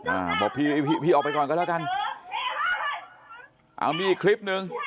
อ่าบอกพี่พี่ออกไปก่อนก็แล้วกันเอามีอีกคลิปหนึ่ง